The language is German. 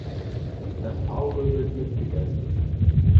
Das Auge wird mitgegessen.